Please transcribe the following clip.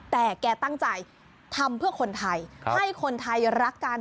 แต่แกตั้งใจทำเพื่อคนไทยให้คนไทยรักกัน